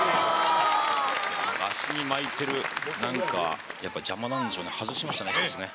あしに巻いてる、なんか、やっぱり邪魔なんでしょうね、外しましたね。